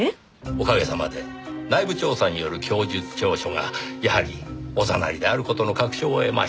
おかげさまで内部調査による供述調書がやはりおざなりである事の確証を得ました。